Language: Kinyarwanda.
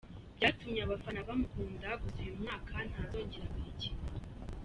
Byatumye abafana bamukunda gusa uyu mwaka ntazongera kuyikina.